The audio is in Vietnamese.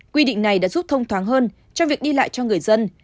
quy định này đã giúp thông thoáng hơn cho việc đi lại cho người dân